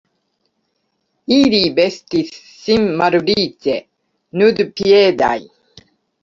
Ili vestis sin malriĉe, nudpiedaj.